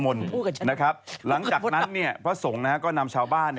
มันคือหลักหมุด